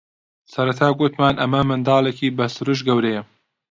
سەرەتا گوتمان ئەمە منداڵێکی بە سرووشت گەورەیە